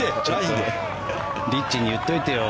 リッチに言っておいてよ。